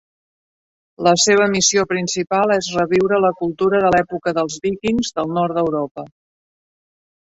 La seva missió principal és reviure la cultura de l'"època dels víkings" del nord d'Europa.